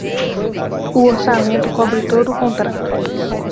O orçamento cobre todo o contrato.